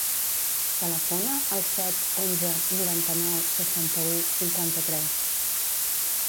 Telefona al set, onze, noranta-nou, seixanta-u, cinquanta-tres.